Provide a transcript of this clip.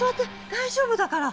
大丈夫だから。